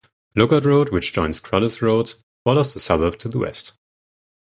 Lookout Road, which joins Croudace Road, borders the suburb to the west.